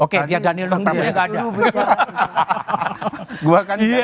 oke biar daniel nunggirnya nggak ada